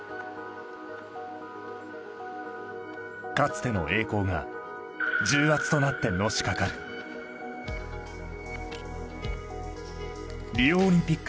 かつての栄光が重圧となってのしかかるリオオリンピック